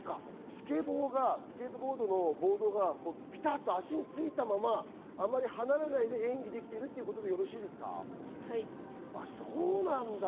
スケボーのボードがビタっと足についたまま、あまり離れないで演技できているということですか？